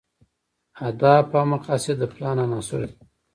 اهداف او مقاصد د پلان عناصر دي.